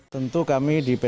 tentu kami dibuat